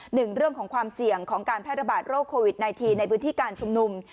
หนึ่งเรื่องของความเสี่ยงของการแพร่ระบาดโรคโควิด๑๙ในพื้นที่การชุมนุม